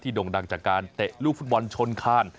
ด่งดังจากการเตะลูกฟุตบอลชนคาน